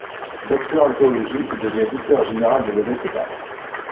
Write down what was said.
Docteur en théologie, il devient vicaire général de l'évêque d'Apt.